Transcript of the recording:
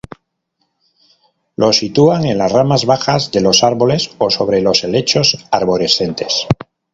Los sitúan en las ramas bajas de los árboles o sobre las helechos arborescentes.